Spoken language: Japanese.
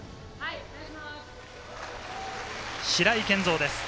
白井健三です。